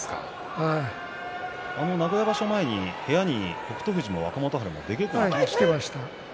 名古屋場所前に北勝富士、若元春も出稽古に来ましたね。